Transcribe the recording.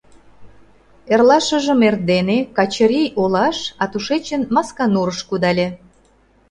Эрлашыжым эрдене Качырий олаш, а тушечын Масканурыш кудале.